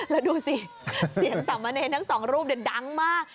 แล้วดูสิเสียงสามเมรนดิ์ทั้งสองรูปเดี๋ยวดังมาก